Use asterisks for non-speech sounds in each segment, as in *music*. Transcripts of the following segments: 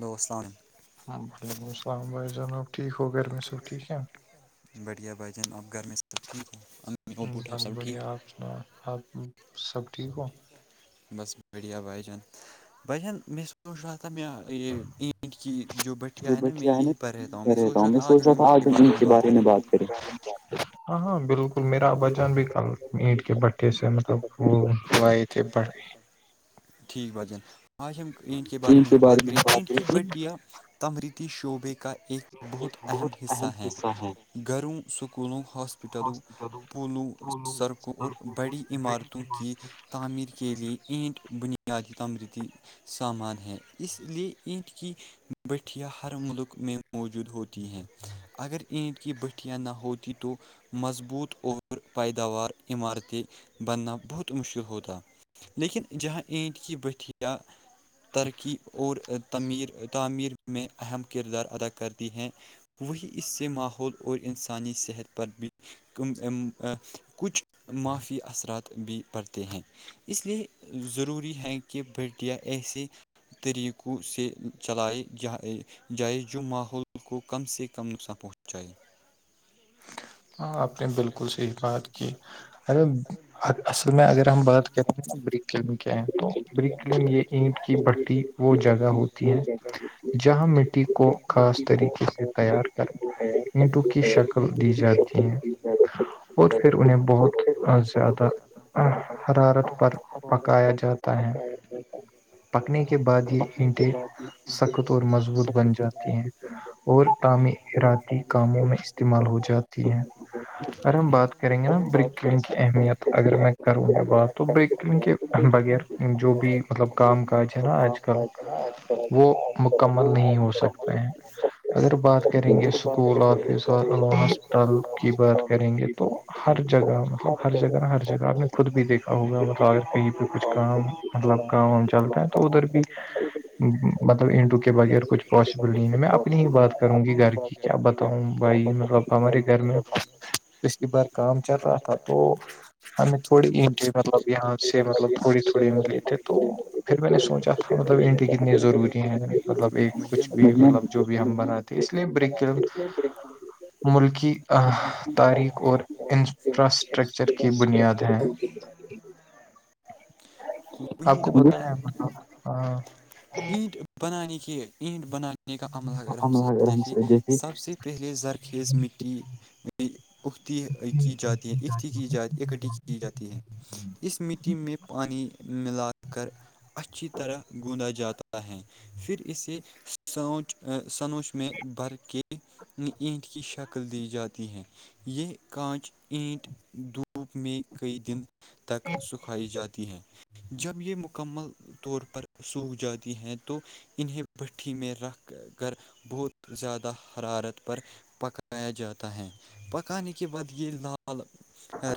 دوستان وعلیکم السلام بھائی جناب ٹھیک ہو گرمی صب ٹھیک ہے بڑھیا بھجن آپ گھر میں سب ٹھ ہو بٹا بس سب ٹھ بڑھیا آپ آپ سب ٹھیک ہو بس بڑیا بائی جان بجان میں سوچ رہ تھا تھا میں یہ اینٹ کی جو بٹیا ہے نا میں یہی پر رہتا ہوں میں سوچ رہا تھا آج انٹ کے بارے میں بات کریں ہاں ہاں بالکل میرا وچن بھی کل اینٹ کے ب جسے مطلب وہ لئے تھے بڑے ٹھیک بچن آج ہم اینٹ کے بارے میں ہی بات کریں اینٹ کی بٹیا تمریتی شعبے کا ایک بہت اہم حصہ ہیں گھروں سکولوں ہاسپٹلو ہاسپٹلوں پولو سڑکوں اور بڑی عمارتوں کی تعمیر کے لیے اینٹ بنیادی تمریتی سامان ہیں اس لیئے اینٹ کی بٹھیاں ہر ملک میں موجود ہوتی ہیں اگر ایند کی بٹیاں نہ ہوتی تو مضبوط اور پیداوار عمارتیں بننا بہت مشکل ہوتا لیکن جہاں اینٹ کی بٹھیاں ترقی اور تعمیر تعمیر میں اہم کردار ادا کرتی ہیں وہی اس سے ماحول اور انسانی صحت پر بھی کچھ معافیا اثرات بھی پڑتے ہیں اس لیے ضروری ہے کہ بیٹیاں ایسے طریقوں سے چلائے جاں جائز جو ماحول کو کم سے کم نقصان پہنچائے ہاں آپ نے بالکل صحیح بات کی ارے اصل میں اگر ہم بات کریں ہیںیک کیا ہیں تو بریک یہ اینٹ کی بٹی وہ جگہ ہوتی ہے جہاں مٹی کو خاص طریقے سے تیار کر نٹو کی شکل دی جاتی ہے ہیں اور پھر انہیں بہت اور زیادہ حرارت پر پکایا جاتا ہے پکنے کے بعد یہ اینٹیں سخت اور مضبوط بن جاتی ہیں اور تعمیراتی کاموں میں استعمال ہو جاتی ہیں ار ہم بات کریں گے نا بریک کلنگ کی اہمیت اگر میں کروں گی بات تو بریک کلن کے بغیر جو بھی مطلب کام کاج ہے نا آج کل وہ مکمل نہیں ہو سکتے ہیں اگر بات کریں گے اسکول آفس اور تعلق کی بات کریں گے تو بڑی ہر جگہ مطلب ہر جگہ ہر جگہ آپ نے خود بھی دیکھا ہوگا مطلب اگر کہیں پہ کچھ کام مطلب کا چلتا ہیں تو ادھر بھی مطلب انٹو کے بغیر کچھ پاسبل نہیں میں اپنی ہی بات کروں گی گھر کی کیا بتاؤں بھائی مطلب لگ ہماری گھر میں اسلی بار کام چل رہا تھا تو ہمیں تھوڑی ان مطلب یہاں سے مطلب تھوڑی تھوڑی ملے تھے تو پھر میں نے سوچا تھا مطلب انڈی کتنی ضروری ہیں مطلب ایک وہی نا کچھ بھی بھائی، مطلب جو بھی ہم بنا تو اس لیے بریک ملکی تاریخ اور انفراسٹرکچر کی بنیاد ہے آپ وہی کو نا ب م بھائی ہاں *unintelligible* اینٹ بنانی کی اینٹ بنانانی کا عملہ اگر ہم اگر ہم دیکھیں سے سب سے پہلے زرخیز مٹی اختی کی جاتی ہیں اھی کی جاتی اٹھی کی جاتی ہے اس اس مٹی میں پانی ملا کر اچھی طرح گوندا جاتا ہے پھر اسے سانچ سنوچ میں بھر کے اینٹ کی شکل دی جاتی ہے یہ کانچ اینٹ دھوپ میں قئی دن تک سکھائی جاتی ہیں جب یہ مکمل طور پر سوکھ جاتی ہیں تو انہیں بھھی میں رکھ کر بہت زیادہ حرارت پر پکایا جاتا ہے پکانے کے بعد یہ لال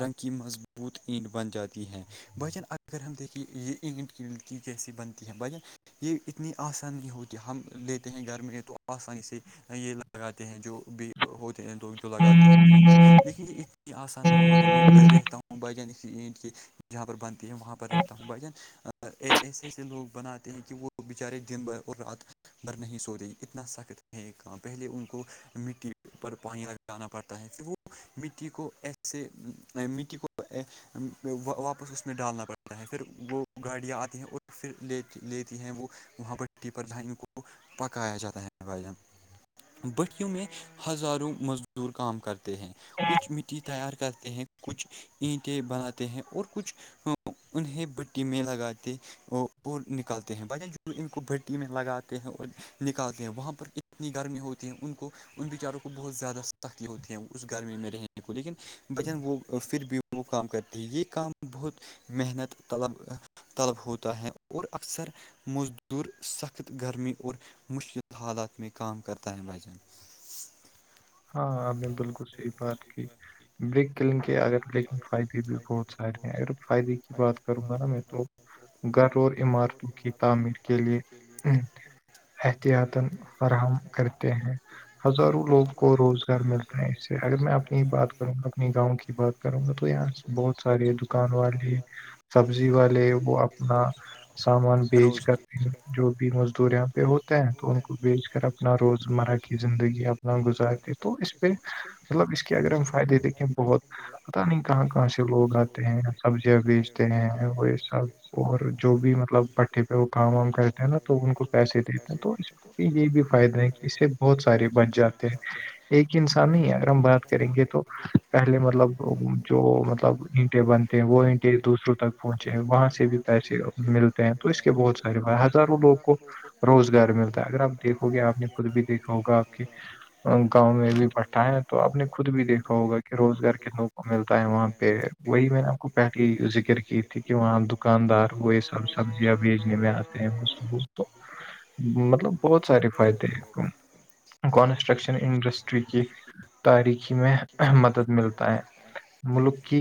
رنگ کی مض بت ایند بن جاتی ہے بھجان اگر ہم دیکھیں یہ ایند کی کیی کیسی بنتی ہے بھجن یہ اتنی آسانی ہوتی ہم لیتے ہیں گھر میں تو آسانی سے یہ لگاتے ہیں جو بھی ہوتے ہیں لگ جو لگاتے ہیں اینٹ لیکن یہ اتنی آسان نہیں ہو رہی ہے میں رہتا ہوں ب جان اسی اینٹ سے جہاں پر بنتی ہے وہاں پر رہتا ہوں بجن ایسے ایسے لوگ بناتے ہیں کہ وہ بیچارے دن بھر اور رات ب نہیں سو رہے اتنا سخت ہے یہ کام پہلے ان کو مٹی پر پانی لگانا پڑتا ہے پھر وہ مٹی کو ایسے مٹی کو واپس اس میں ڈالنا پڑتا ہے پھر وہ گاڑیاں آتی ہیں اور پھر لیتی ہیں وہ وہاں پٹی پر ج ان کو پکایا جاتا ہے بٹیوں میں ہزاروں مزدور کام کرتے ہیں کچھ مٹی تیار کرتے ہیں کچھ اینٹیں بناتے ہیں اور کچھ انہیں بٹی میں لگاتے نکالتے ہیں ب ان کو بھٹی میں لگاتے ہیں اور نکالتے ہیں وہاں پر اتنی گرمی ہوتی ہے ان کو ان بچاروں کو بہت زیادہ سختی ہوتی ہے اس گرمی میں رہنے کو لیکن بچن وہ پھر بھی وہ کام کرتی ہے یہ کام بہت محنت طلب طلب ہوتا ہے اور اکثر موزدور سخت گرمی اور مشکل حالات میں کام کرتا ہے وجہ ہاں آپ نے بالکل صحی بات کی بریک کلنگ کے اگر لیکن فائدے بھی بہت سارے ہیں اگر فائدے کی بات کروں گا نا میں تو گھر اور عمارتوں کی تعمیر کے لیے احتیاط فراہم کرتے ہیں ہزاروں لوگ کو روز ملتا ہیں اس سے اگر میں اپنی بات کروں اپنی گاؤں کی بات کروں گا تو یہاں بہت سارے دکان والے سبزی والے وہ اپنا سامان بیچ کرتے ہیں جو بھی مزدور یہاں پہ ہوتے ہیں تو ان کو بیچ کر اپنا روزمرہ کی زندگی اپنا گزارتی تو اس پہ مطلب اس کے اگر ہم فائدے دیں بہت پتا نہیں کہاں کہاں سے لوگ آتے ہیں سبزیاں بیچتے ہیں وہ یہ سب اور جو بھی مطلب پٹھے پہ وہ کام وام کرتے ہیں نا تو ان کو پیسے دیتے ہیں تو اس یہ بھی فائدہ ہے کہ اس سے بہت سارے بن جاتے ہیں ایک انسان نہیں اگر ہم بات کریں گے تو پہلے پہے مطلب جو مطلب اٹے بنتے ہیں وہ اٹے دوسروں تک پہنچے ہیں وہاں سے بھی پیسے ملتے ہیں تو اس کے بہت سارے ہزاروں لوگ کو روزگار ملتا ہے اگر آپ دیکھو گے آپ نے خود بھی دیکھا ہوگا گاؤں میں بھی بیٹھا ہے تو آپ نے خود بھی دیکھا ہوگا کہ روزگار کت نو ملتا ہے وہاں پہ وہی میں نے آپ کو پہلی ذکر کی تھی کہ وہاں دکاندار کوو سب سبزیاں بیجنے میں آتے ہیں ب لوگ تو مطلب بہت سارے فائدے ہیں کانسٹرکشن انڈسٹری کے تاریخی میں مدد ملتا ہے ملک کی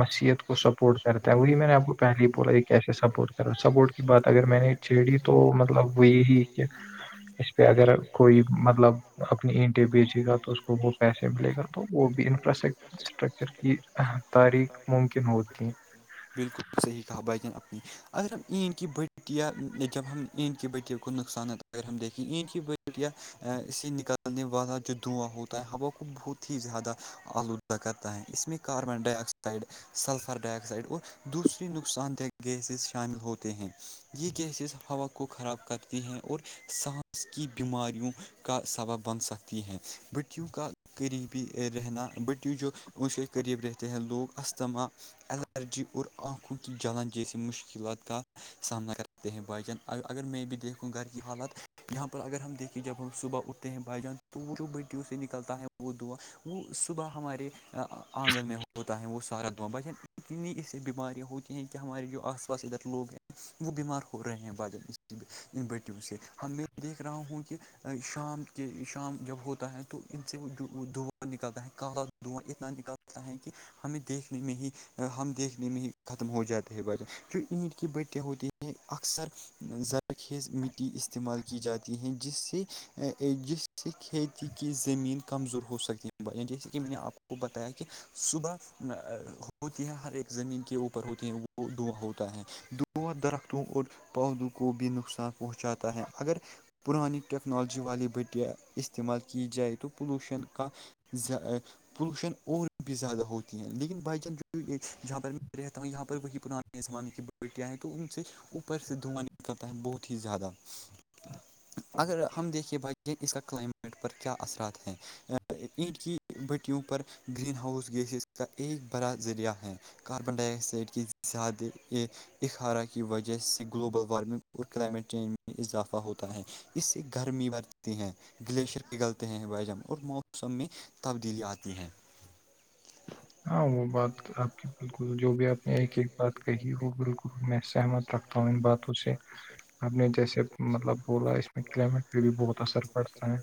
حسیحت کو سپورٹ کرتا ہے وہی میں نے آپ کو پہلے ہی بولا یہ کیسے سپورٹ سپورٹ کی بات اگر میں نے چھیڑی تو مطلب وہ یہی کہ اگر کوئی مطلب اپنے اینٹی بیچ گا تو اس کو وہ پیسے ملے گا تو وہ بھی انفراسٹرکچر اسٹرکچر کی تاریخ ممکن ہوتی ہے بالکل صحیح کہا بھائی ج نے اپنی اگر ہم این کی بڑ یا جب ہم ایند کی بٹیوں کو نقصانات اگر ہم دیکھیں ایند کی بچٹ یا اس سے نکالنے والا جو دواں ہوتا ہوا کو بہت ہی زیادہ آلودہ کرتا ہے اس میں carbon dioxide sulphur dioxide اور دوسری نقصان دہ گیسز شامل ہوتے ہیں یہ گیسز ہوا کو خراب کر ہیں اور سانس کی بیماریوں کا سبب بن سکتی ہیں مٹیوں کا قریبی رہنا بٹیو جو اس کے قریب رہتے ہیں لوگ استھما اللرجی اور آنکھوں کی جلن جیسی مشکلات کا سامنا کرتے ہیں بائ جن اگر میں بھی دیکھ گھر کی حالات یہاں پر اگر ہم دیکھیں جب ہم صبح اٹھتے ہیں بھائی جان تو وہ جو بٹیوں سے نکلتا ہے وہ دعااں وہ صبح ہمارے آنگن میں ہوتا ہے وہ سارا دعا بچ اتنی اس بیماریاں ہوتی ہیں کہ ہمارے جو آس پاس ادھر لوگ ہیں وہ بیمار ہو رہے ہیں ب ان بیٹیوں سے ہم میں دیکھ رہا ہوں کہ شام کے شام جب ہوتا ہے تو ان سے دعارا نکالتا ہے کالا دعا اتنا نکالتا ہے کہ ہمیں دیکھنے میں ہی ہم دیکھنے ہی ختم ہو جاتے ہے ب جو ایند کی بٹیا ہوتی ہیں اکثر ر خیز مٹی استعمال کی جاتی ہے جس سے کھیتی کی کی زمین کمزور ہو سکتی ہے جیسے کہ میں نے آپ کو بتایا کہ صبح ہوتی ہے ہر ایک زمین کے اوپر ہوتی ہے وہ دواں ہوتا ہے دواں درختوں اور پودوں کو بھی نقصان پہنچاتا ہے اگر پرانی ٹیکنالوجی والی بٹیا استعمال کی جائے تو پولوشن کا پولوشن اور بھی زیادہ ہوتی ہیں لیکن بھائی جان جہاں پر میں رہتا ہوں یہاں پر وہی پرانے زمانے کی بیٹیاں ہیں تو ان سے اوپر سے دھواں نکلتا ہے بہت ہی زیادہ اگر ہم دیکھیے بھ اس کا کلائمیٹ پر کیا اثرات ہے اینٹ کی بٹیوں پر گرین ہاؤس گیسز کا ایک بڑا ذریعہ ہے کاربن ڈائی آکسائڈ کی زیادہ یہ اخارا کی وجہ سے گلوبل وارمنگ اور کلائمیٹ چینج میں اضافہ ہوتا ہے اس سے گرمی بڑتی ہے گلیشر پگلتے ہیں بجم اور موسم میں تبدیلیا آتی ہیں ہاں وہ بات آپ کی بالکل جو بھی آپ نے ایک ایک بات کہی وہ بالکل میں سہمت رکھتا ہوں ان باتوں سے ہم نے جیسے مطلب بولا اس میں کلائمیٹ پہ بھی بہت اثر پڑتا ہے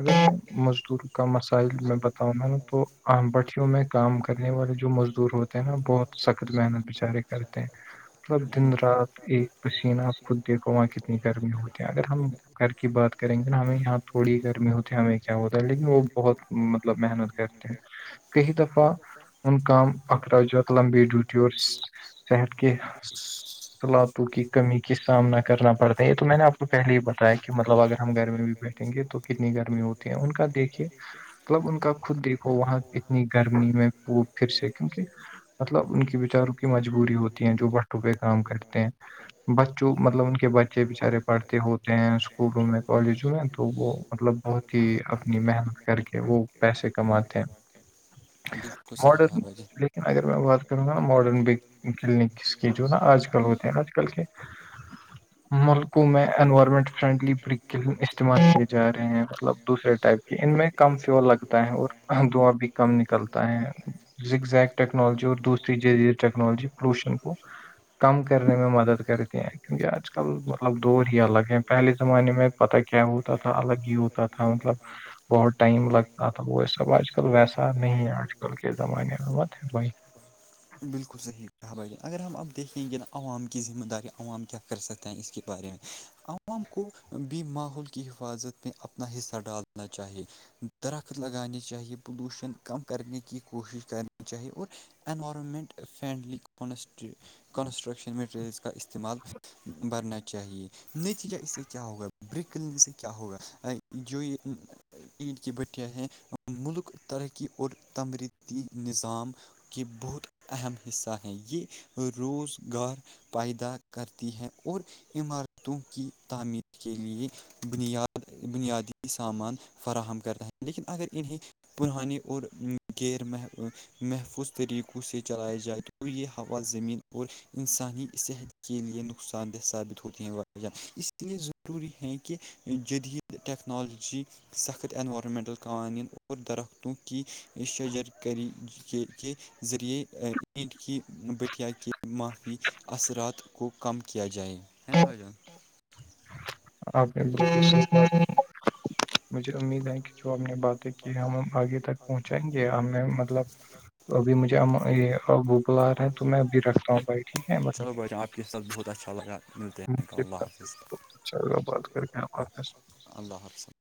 اگر مزدور کا مسائل میں بتاؤںا تو ام بٹ میں کام کرنے والے جو مزدور ہوتے ہیں نا بہت سخت محنت بچارے کرتے ہیں مطلب دن رات ایک پسینہپ خود دیکھو وہاں کتنی گرمی ہوتی ہے اگر ہم گھر کی بات کریں گے نا ہمیں یہاں تھوڑی گرمی ہوتی ہے ہمیں کیا ہوتا ہے لیکن وہ بہت مطلب محنت کرتے ہیں *unintelligible* کئی دفعہ ان کام اخراجات لمبی ڈیوٹی اور صحت کے *unintelligible* سلااتوں کی کمی کا سامنا کرنا پڑتا ہے یہ تو میں نے آپ کو پہلے ہی بتایا کہ مطلب اگر ہم گھر میں بھی بیٹھ گے تو کتنی گرمی ہوتی ہے ان کا دیکھیے مطلب ان کا خود دیکھو وہاں اتنی گرمی میں پ پھر سے کیونکہ مطلب ان کے بیچاروں کی مجبوری ہوتی ہیں جو بڑ ٹو پہ کام کرتے ہیں بچوں مطلب ان کے بچے بچارے پڑھتے ہوتے ہیں اسکولوں میں کالجوں میں تو وہ مطلب بہت کہ اپنی محنت کر کے وہ پیسے کماتے ہیں بالکل صحیح کہا بھ جی لن اگر میں بات کروں گا نا ماڈرن کلینکس کے جو نا آج کل ہوتے ہیں آج کل کے ملکوں میں انوائرمنٹ فرینڈلی بیکل استعمال کی جا رہے ہیں مطلب دوسرے ٹائپ کی ان میں کم سے وہ لگتا ہے اور دواں بھی نکلتا ہے زگزیک ٹیکنالوجی اور دوسری ج ٹیکنالوجی پولوشن کو کم کرنے میں مدد کرتے ہیں کیونکہ آج کل مطلب دور ہی الگ ہیں پہلے زمانے میں پتا کیا ہوتا تھا الگ ہی ہوتا تھا مطلب بہت ٹائم لگتا تھا وہ یہ سب آج کل ویسا نہیں ہے آج کل کے زمانے بت ہے بھائی بالکل صحیح کہا بائی اگر ہم اب دیکھیں گے عوام کی ذمہ داری عوام کیا کر سکتے ہیں اس کے بارے میں عوام کو بھی ماحول کی حفاظت میں اپنا حصہ ڈالنا چاہیے درخت لگانے چاہیے پولوشن کم کرنے کی کوشش کرنی چاہی اور environment friendly construction materials کا استعمال بھرنا چاہیے نتیجہ اس سے کیا ہوگا بریک کلن سے کیا ہوگا جو یہ اید کی بٹیاں ہیں ملک ترقی اور تمریتی نظام کے بہت اہم حصہ ہیں یہ روزگار پیدا کرتی ہے اور عمارتوں کی تعمیر کے لیے بنیاد بنیادی سامان فراہم کرتا ہے لیکن اگر انہیں پرانیے اور غیر محفوظ طریقوں سے چلاائی جائے تو یہ ہوا زمین اور انسانی صحت کے لیئے ن نقصان دہ ثابت ہوتی ہیں وہ اس لیے ضروری ہے کہ جدید ٹیکنالوجی سخت اینوارمنٹل قوانین اور درختوں کی شجر کرری کے کے ذریعے پینٹ کی بٹیا کے معافی اثرات کو کم کیا جائے ہے نا بھ جان آ مجھے امید ہے کہ جو ہم نے باتیں کی ہم آگے تک پہنچائیں گے ہمیں مطلب تو ابھی مجھے یہ وہ بل آ رہا ہیں تو میں ابھی رکھ رہا ہوں بھائی ٹھیک ہے بھائی چلو جان آپ ساتھ بہت اچھا لگا ملتے مجھے اللہ حافظ بہت اچھا لگا بات کر کے آپ کا اللہ حفب